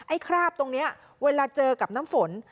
คราบตรงนี้เวลาเจอกับน้ำฝน